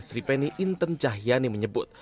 sripeni intern cahyani menyebut